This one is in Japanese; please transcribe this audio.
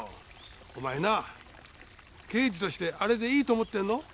お前な刑事としてあれでいいと思ってんの？